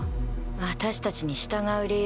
私たちに従う理由なんか。